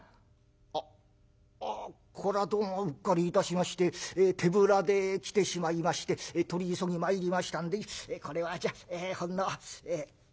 「あっこれはどうもうっかりいたしまして手ぶらで来てしまいまして取り急ぎ参りましたんでこれはじゃあほんの。